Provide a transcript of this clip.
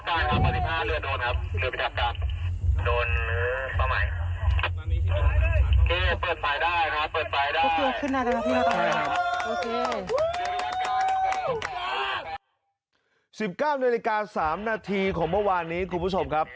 เป้าหมายโดนพออยู่น้ำในร้านนี้สิบเก้าศูนย์สามนาทีของเมื่อวานนี้คุณผู้ชมครับ